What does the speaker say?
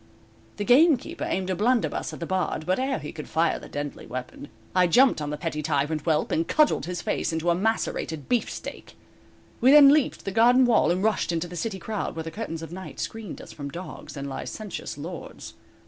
The gamekeeper aimed a blunderbuss at the Bard, but ere he could fire the deadly weapon, I jumped on the petty tyrant whelp, and cudgeled his face into a macerated beefsteak. We then leaped the garden wall and rushed into the city crowd where the curtains of night screened us from dogs and licentious lords.